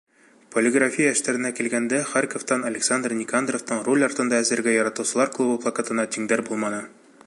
Полиграфия эштәренә килгәндә, Харьковтан Александр Никандровтың «Руль артында эсергә яратыусылар клубы» плакатына тиңдәр булманы.